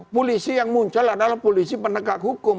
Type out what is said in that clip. polisi yang muncul adalah polisi penegak hukum